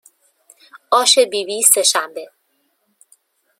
آش بیبی سهشنبه